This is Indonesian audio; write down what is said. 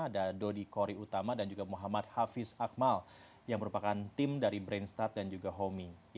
ada dodi kori utama dan juga muhammad hafiz akmal yang merupakan tim dari brain start dan juga homi